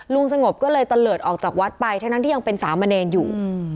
สงบก็เลยตะเลิศออกจากวัดไปทั้งนั้นที่ยังเป็นสามเณรอยู่